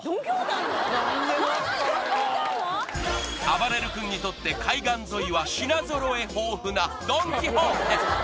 あばれる君にとって海岸沿いは品揃え豊富なドン・キホーテ